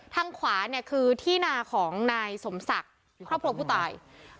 ทางขวาเนี่ยคือที่นาของนายสมศักดิ์ครอบครัวผู้ตาย